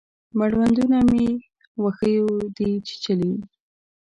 مړوندونه مې وښیو دی چیچلي